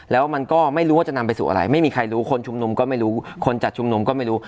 แล้วมันก็ไม่รู้ว่าจะนำไปสู่อะไรไม่มีใครรู้คนชุมนุมก็ไม่รู้คนจัดชุมนุมก็ไม่รู้